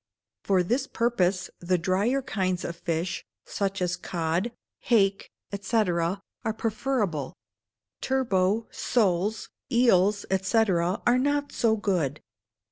For this purpose, the drier kinds of fish, such as cod, hake, &c., are preferable; turbot, soles, eels, &c., are not so good.